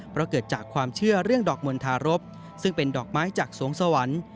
เพราะเกิดจากความเชื่อเรื่องดอกมณฑารพซึ่งเป็นดอกไม้จากสวงสวรรค์